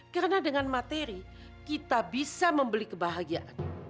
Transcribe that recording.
karena dengan materi kita bisa membeli kebahagiaan